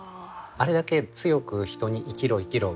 あれだけ強く人に生きろ生きろ